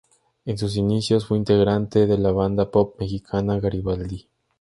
En sus inicios fue integrante de la banda pop mexicana Garibaldi.